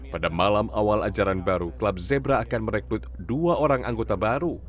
pada malam awal ajaran baru klub zebra akan merekrut dua orang anggota baru